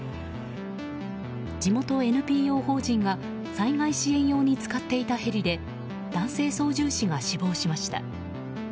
地元ＮＰＯ法人が災害支援用に使っていたヘリで男性操縦士が死亡しました。